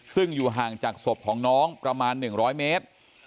ซึ่งอยู่ห่างจากศพของน้องประมาณ๑๐๐เมตร